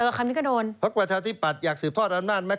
เออคำนี้ก็โดนพระกวจทธิปัตย์อยากสืบทอดอำนาจไหม